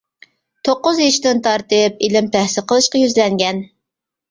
توققۇز يېشىدىن تارتىپ ئىلىم تەھسىل قىلىشقا يۈزلەنگەن.